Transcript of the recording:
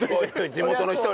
地元の人にね。